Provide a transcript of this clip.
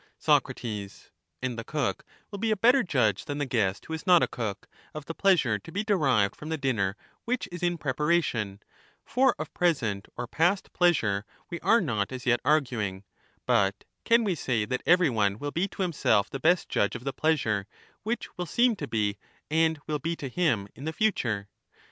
Soc. And the cook will be a better judge than the guest, nor of who is not a cook, of the pleasure to be derived from the ^^^^^^• dinner which is in preparation ; for of present or past pleasure we are not as yet arguing; but can we say that every one will be to himself the best judge of the pleasure which will seem to be and will be to him in the future